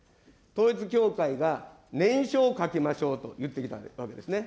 統一教会が念書を書きましょうと言ってきたわけですね。